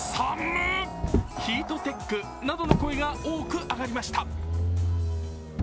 む、ヒートテックなどの声が多く上がりました。